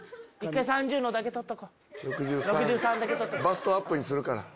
バストアップにするから。